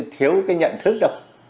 thiếu cái nhận thức đâu